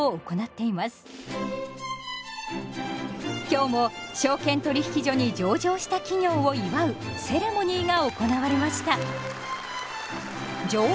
今日も証券取引所に上場した企業を祝うセレモニーが行われました。